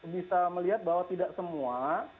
bisa melihat bahwa tidak semua